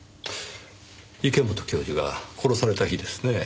池本教授が殺された日ですねぇ。